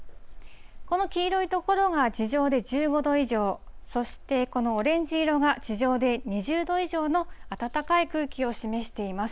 この黄色い所が地上で１５度以上、そしてこのオレンジ色が地上で２０度以上の暖かい空気を示しています。